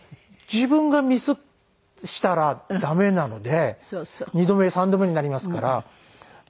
自分がミスしたら駄目なので２度目３度目になりますから。